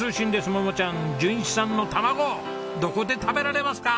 桃ちゃん淳一さんの卵どこで食べられますか？